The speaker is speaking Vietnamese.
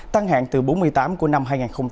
tăng hạn từ bốn mươi tám của năm hai nghìn hai mươi hai